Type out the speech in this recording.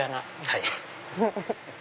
はい。